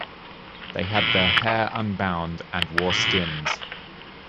They had their hair unbound, and wore skins.